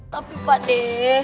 tapi pak de